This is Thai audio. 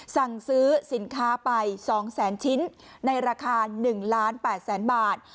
สั่งซื้อสินค้าไป๒แสนชิ้นในราคา๑ล้าน๘แสนบาท